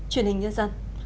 chuyên hình nhân dân